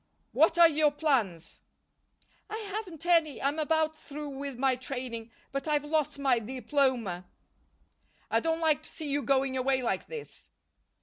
"What are your plans?" "I haven't any. I'm about through with my training, but I've lost my diploma." "I don't like to see you going away like this."